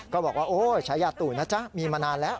ก็บอกว่าโอ้ฉายาตู่นะจ๊ะมีมานานแล้ว